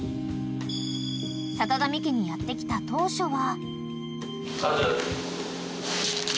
［さかがみ家にやって来た当初は］